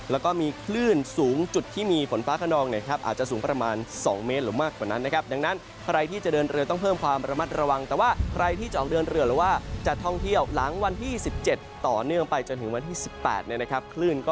แล้วก็มีคลื่นสูงจุดที่มีฝนฟ้าขนองเนี่ยครับ